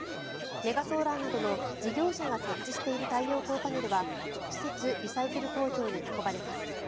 メガソーラーなどの事業者が設置している太陽光パネルは直接リサイクル工場に運ばれます。